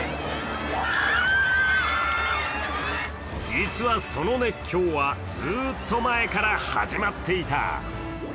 実は、その熱狂はずっと前から始まっていた。